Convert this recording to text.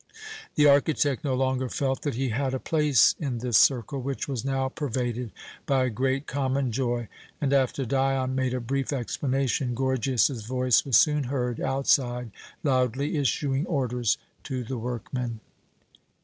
The architect no longer felt that he had a place in this circle, which was now pervaded by a great common joy, and after Dion made a brief explanation, Gorgias's voice was soon heard outside loudly issuing orders to the workmen.